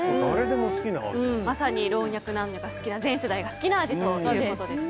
まさに老若男女全世代が好きな味ということです。